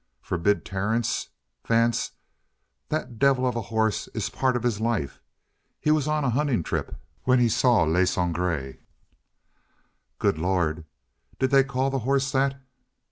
"Forbid Terence? Vance, that devil of a horse is part of his life. He was on a hunting trip when he saw Le Sangre " "Good Lord, did they call the horse that?"